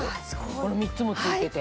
この３つも付いてて。